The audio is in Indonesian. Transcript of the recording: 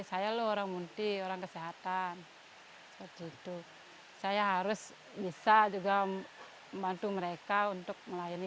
saya lu orang munti orang kesehatan seperti itu saya harus bisa juga membantu mereka untuk melayani